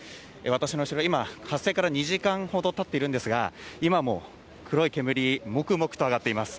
私の後ろ、今、発災から２時間ほどたっているんですが、今も黒い煙、もくもくと上がっています。